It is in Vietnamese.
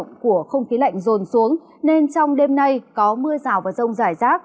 nền nhiệt của không khí lạnh rồn xuống nên trong đêm nay có mưa rào và rông dài rác